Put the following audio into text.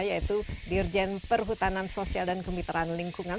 yaitu dirjen perhutanan sosial dan kemitraan lingkungan